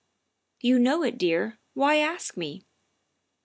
" You know it, dear, why ask me?"